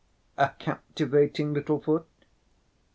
A captivating little foot.